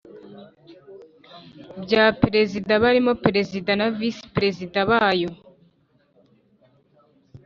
rya Perezida barimo Perezida na VisiPerezida bayo